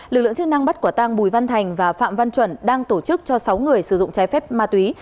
lực lượng chức năng bắt quả tăng bùi văn thành và phạm văn chuẩn đang tổ chức cho sáu người sử dụng trái phép ma túy